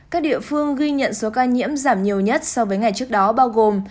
các địa phương ghi nhận số ca nhiễm giảm nhiều nhất so với ngày trước đó bao gồm